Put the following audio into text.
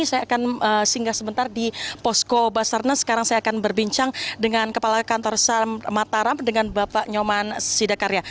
saya akan singgah sebentar di posko basarnas sekarang saya akan berbincang dengan kepala kantor sam mataram dengan bapak nyoman sidakarya